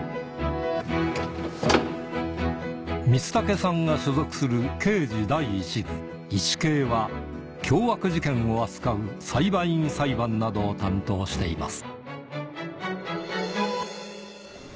光武さんが所属する凶悪事件を扱う裁判員裁判などを担当しています